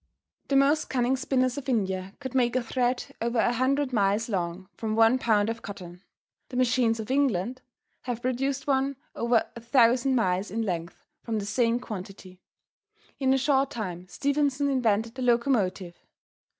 The most cunning spinners of India could make a thread over 100 miles long from one pound of cotton. The machines of England have produced one over 1000 miles in length from the same quantity. In a short time Stephenson invented the locomotive.